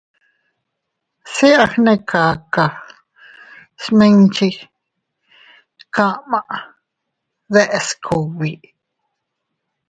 Se a gnekaka smiche kama deʼes kugbi.